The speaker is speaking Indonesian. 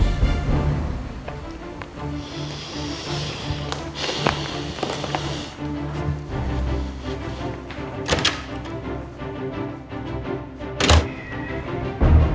itu pengennya berubah egosi my